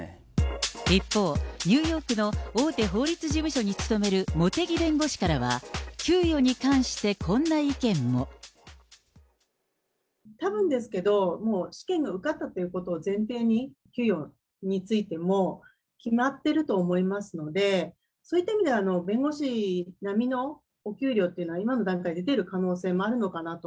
一方、ニューヨークの大手法律事務所に勤める茂木弁護士からは、給与に関して、たぶんですけど、もう試験に受かったということを前提に給与についても決まってると思いますので、そういった意味では、弁護士並みのお給料っていうのが今の段階で出てる可能性もあるのかなと。